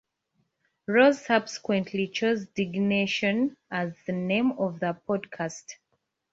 Rose subsequently chose Diggnation as the name of the podcast.